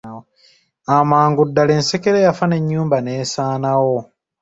Amangu ddala ensekere yafa, n'ennyumba n'esaanawo!